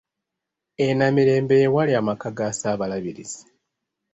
E Namirembe ye wali amaka ga Ssaabalabirizi.